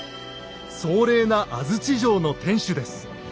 壮麗な安土城の天主です。